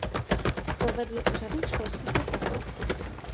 Provedl řadu školských reforem.